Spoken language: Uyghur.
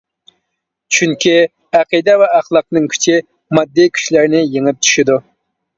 چۈنكى، ئەقىدە ۋە ئەخلاقنىڭ كۈچى ماددىي كۈچلەرنى يېڭىپ چۈشىدۇ.